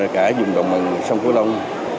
cả dùng đồng bằng sông cổ long